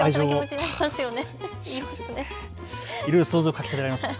いろいろ想像をかきたてられますよね。